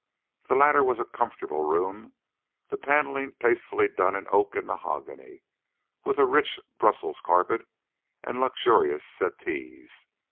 The latter was a comfortable room, the panelling tastefully done in oak and mahogany, with a rich Brussels carpet and luxurious settees.